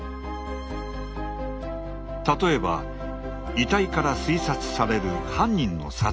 例えば遺体から推察される犯人の殺害方法。